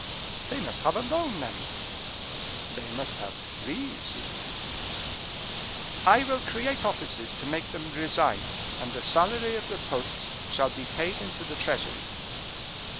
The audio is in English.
"They must have a loan, then." "They must have three, sire." "I will create offices to make them resign, and the salary of the posts shall be paid into the treasury."